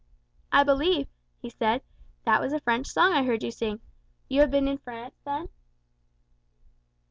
"I believe," he said, "that was a French song I heard you sing. You have been in France, then?"